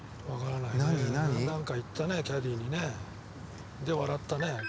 わからないけどなんか言ったね、キャディーにねで、笑ったね。